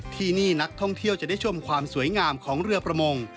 ที่นี่นักท่องเที่ยวจะได้ชมความสวยงามของเรือประมง